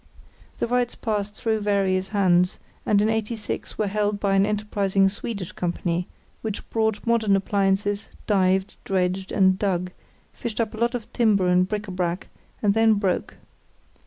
The rights passed through various hands, and in '86 were held by an enterprising Swedish company, which brought modern appliances, dived, dredged, and dug, fished up a lot of timber and bric à brac, and then broke.